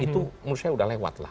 itu menurut saya sudah lewat lah